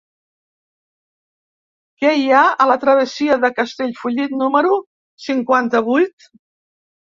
Què hi ha a la travessia de Castellfollit número cinquanta-vuit?